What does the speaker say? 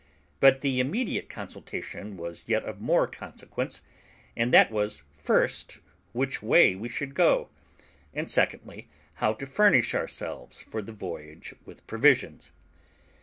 But the immediate consultation was yet of more consequence; and that was, first, which way we should go; and secondly, how to furnish ourselves for the voyage with provisions.